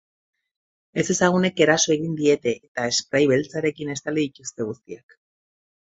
Ezezagunek eraso egin diete, eta esprai beltzarekin estali dituzte guztiak.